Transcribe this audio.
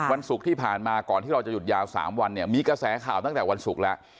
วันศุกร์ที่ผ่านมาก่อนที่เราจะหยุดยาว๓วันเนี่ยมีกระแสข่าวตั้งแต่วันศุกร์แล้ว